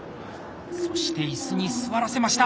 そしていすに座らせました！